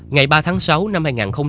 ngày ba tháng sáu năm hai nghìn một mươi hai